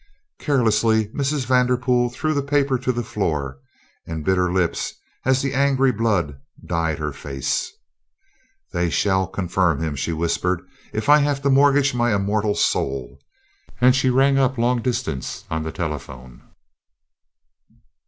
Carelessly Mrs. Vanderpool threw the paper to the floor and bit her lips as the angry blood dyed her face. "They shall confirm him," she whispered, "if I have to mortgage my immortal soul!" And she rang up long distance on the telephone.